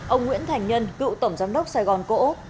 ông nguyễn thành nhân cựu tổng giám đốc sài gòn cộ